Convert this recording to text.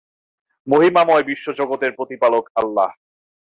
মহিমময় বিশ্বজগতের প্রতিপালক আল্লাহ্।